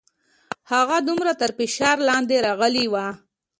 هغه دومره تر فشار لاندې راغلې وه.